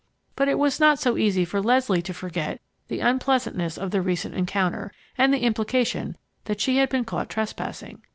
But it was not so easy for Leslie to forget the unpleasantness of the recent encounter and the implication that she had been caught trespassing.